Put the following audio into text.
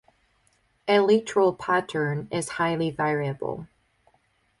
Elytral pattern is highly variable.